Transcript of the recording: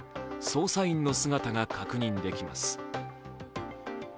捜査員の姿が確認できます。